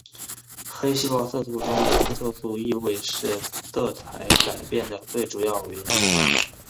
黑色素细胞中的黑色素易位是色彩改变的最主要原因。